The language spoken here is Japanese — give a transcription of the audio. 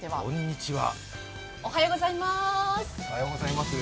おはようございます。